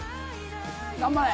頑張れ。